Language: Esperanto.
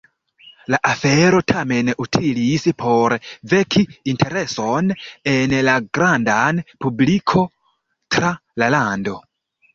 La afero tamen utilis por veki intereson en la granda publiko tra la lando.